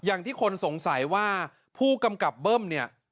อย่างที่คนสงสัยว่าผู้กำกับเบิ้มเนี่ย